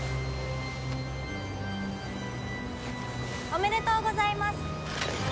おめでとうございます。